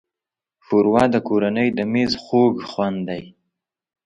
ښوروا د کورنۍ د مېز خوږ خوند دی.